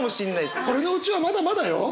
これのうちはまだまだよ！